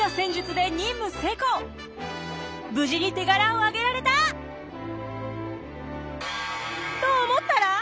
無事に手柄を挙げられた！と思ったら！